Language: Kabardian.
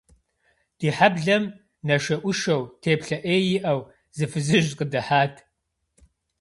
Ди хьэблэм нашэӏушэу, теплъэ ӏей иӏэу, зы фызыжь къыдыхьат.